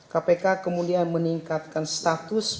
kpk kemudian meningkatkan status